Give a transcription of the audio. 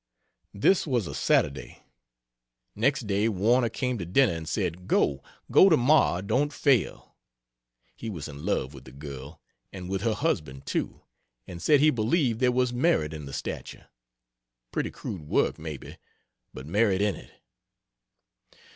This was a Saturday. Next day Warner came to dinner and said "Go! go tomorrow don't fail." He was in love with the girl, and with her husband too, and said he believed there was merit in the statue. Pretty crude work, maybe, but merit in it.